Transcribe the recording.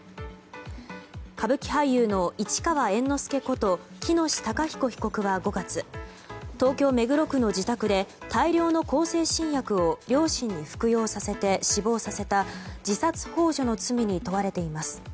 歌舞伎俳優の市川猿之助こと喜熨斗孝彦被告は５月東京・目黒区の自宅で大量の向精神薬を両親に服用させて死亡させた自殺幇助の罪に問われています。